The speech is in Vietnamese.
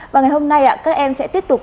và ngày hôm nay các em sẽ tiếp tục